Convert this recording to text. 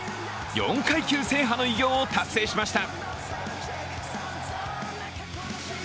４階級制覇の偉業を達成しました。